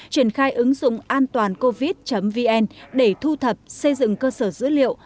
triển khai ứng dụng antoancovid vn để thu thập xây dựng cơ sở dữ liệu